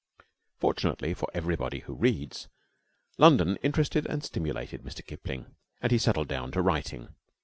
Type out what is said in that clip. Fortunately for everybody who reads, London interested and stimulated Mr. Kipling, and he settled down to writing.